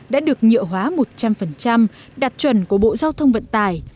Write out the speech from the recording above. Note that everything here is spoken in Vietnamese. đã được nhựa hóa một trăm linh đạt chuẩn của bộ giao thông vận tải